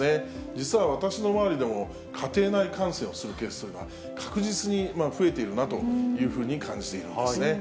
実は私の周りでも、家庭内感染をするケースというのは、確実に増えているなというふうに感じているんですね。